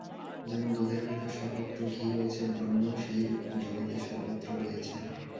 যেমন দুধের ভিতর সর্বত্র ঘি রয়েছে, ব্রহ্মও সেইরূপ জগতের সর্বত্র রয়েছেন।